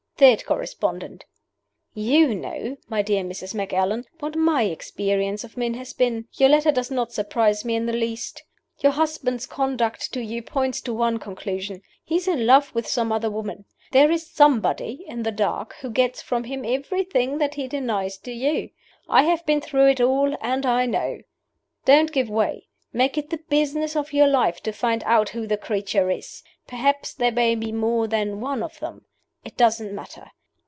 THIRD CORRESPONDENT: "YOU know, my dear Mrs. Macallan, what my experience of men has been. Your letter does not surprise me in the least. Your husband's conduct to you points to one conclusion. He is in love with some other woman. There is Somebody in the dark, who gets from him everything that he denies to you. I have been through it all and I know! Don't give way. Make it the business of your life to find out who the creature is. Perhaps there may be more than one of them. It doesn't matter.